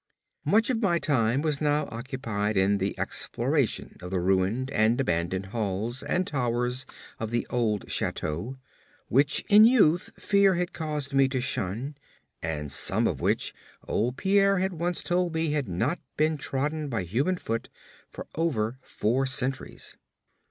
Much of my time was now occupied in the exploration of the ruined and abandoned halls and towers of the old chateau, which in youth fear had caused me to shun, and some of which old Pierre had once told me had not been trodden by human foot for over four centuries.